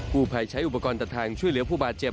ผู้ภัยใช้อุปกรณ์ตัดทางช่วยเหลือผู้บาดเจ็บ